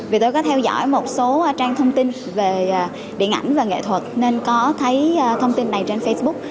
vì tôi có theo dõi một số trang thông tin về điện ảnh và nghệ thuật nên có thấy thông tin này trên facebook